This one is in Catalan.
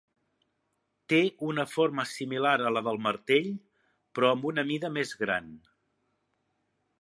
Té una forma similar a la del martell, però amb una mida més gran.